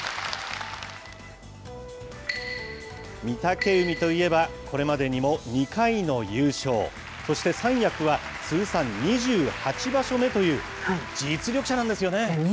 御嶽海といえば、これまでにも２回の優勝、そして三役は通算２８場所目という、実力者なんですよね。